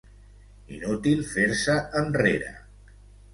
Inútil fer-se enrere.